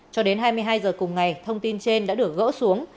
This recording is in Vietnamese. cho đến hai mươi hai h cùng ngày thông tin trên đã được gỡ xuống